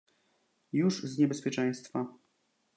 "już z niebezpieczeństwa."